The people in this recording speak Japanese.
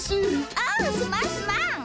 おうすまんすまん！